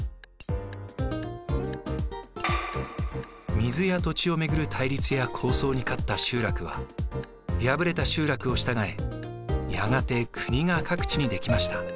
水や土地を巡る対立や抗争に勝った集落は敗れた集落を従えやがて国が各地に出来ました。